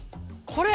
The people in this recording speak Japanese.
これ？